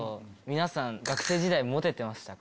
皆さん学生時代モテてました？